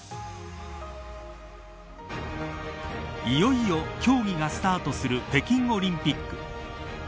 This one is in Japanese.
いよいよ競技がスタートする北京オリンピック。